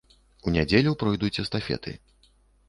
У нядзелю пройдуць эстафеты.